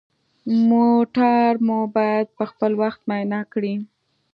موټر مو باید پخپل وخت معاینه کړئ.